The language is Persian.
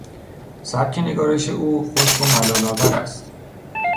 سبک نگارش او خشک و ملالآور است.